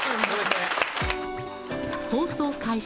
放送開始